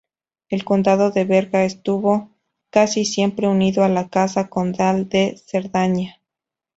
El condado de Berga estuvo casi siempre unido a la casa condal de Cerdaña.